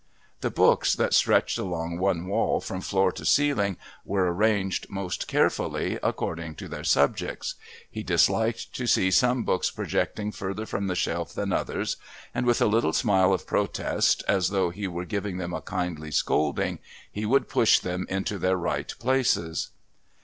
The books that stretched along one wall from floor to ceiling were arranged most carefully according to their subjects. He disliked to see some books projecting further from the shelf than others, and, with a little smile of protest, as though he were giving them a kindly scolding, he would push them into their right places.